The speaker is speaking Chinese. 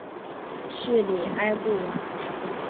叙里埃布瓦。